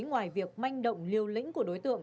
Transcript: ngoài việc manh động liêu lĩnh của đối tượng